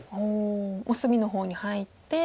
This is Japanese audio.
隅の方に入って。